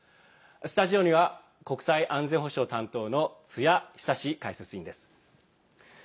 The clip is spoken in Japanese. スタジオには国際・安全保障担当の津屋尚解説委員です。